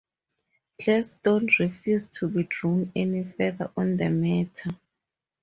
Gladstone refused to be drawn any further on the matter.